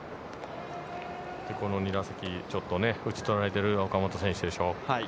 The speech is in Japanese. この２打席ちょっと、打ち取られている岡本選手でしょう。